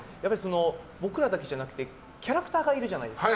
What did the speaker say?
僕らだけじゃなくてキャラクターがいるじゃないですか。